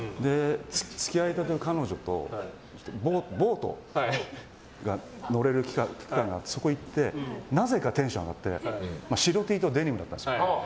付き合いたての彼女とボートに乗れる機会があってそこに行ってなぜかテンション上がって白Ｔとデニムだったんですよ。